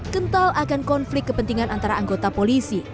kental akan konflik kepentingan antara anggota polisi